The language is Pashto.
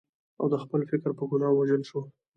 او د خپل فکر په ګناه ووژل شو.